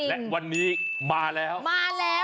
และวันนี้มา